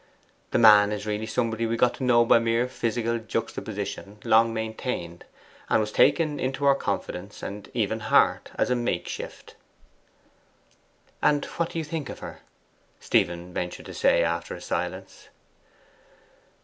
The man is really somebody we got to know by mere physical juxtaposition long maintained, and was taken into our confidence, and even heart, as a makeshift. 'And what do you think of her?' Stephen ventured to say, after a silence.